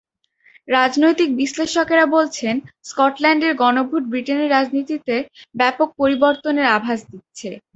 রাজনৈতিক বিশ্লেষকরা বলছেন, স্কটল্যান্ডের গণভোট ব্রিটেনের রাজনীতিতে ব্যাপক পরিবর্তনের আভাস দিচ্ছে।